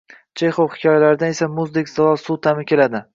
Chexov hikoyalaridan esa muzdek zilol suv ta’mi keladi.